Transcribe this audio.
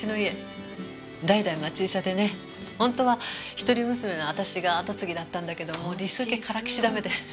本当は一人娘の私が跡継ぎだったんだけど理数系からきしダメで。